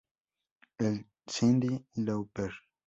Es Cyndi Lauper.